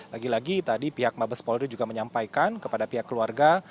lagi lagi tadi pihak mabes polri juga menyampaikan kepada pihak keluarga